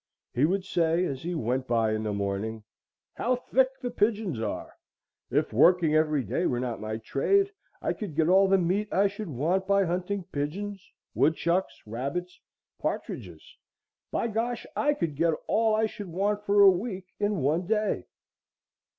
He would say, as he went by in the morning, "How thick the pigeons are! If working every day were not my trade, I could get all the meat I should want by hunting,—pigeons, woodchucks, rabbits, partridges,—by gosh! I could get all I should want for a week in one day."